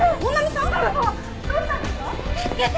「どうしたんですか？」助けて！